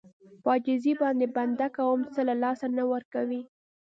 په عاجزي باندې بنده کوم څه له لاسه نه ورکوي.